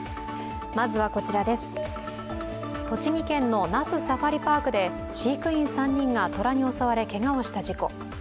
栃木県の那須サファリパークで飼育員３人が虎に襲われけがをした事故。